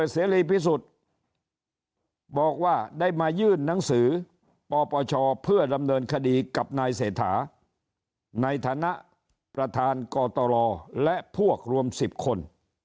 เสรีพิสุทธิ์บอกว่าได้มายื่นหนังสือปปชเพื่อดำเนินคดีกับนายเศรษฐาในฐานะประธานกตรและพวกรวม๑๐คน